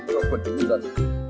và phận trung dân